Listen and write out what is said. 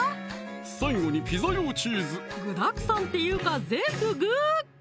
最後にピザ用チーズ具だくさんっていうか全部具！